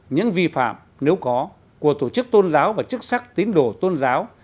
những vi phạm nếu có của tổ chức tôn giáo và chức sắc tín đồ tôn giáo